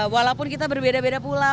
walaupun kita berbeda beda pula